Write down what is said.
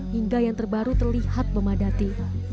hingga yang terbaru terlihat memadati